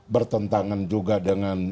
bertentangan juga dengan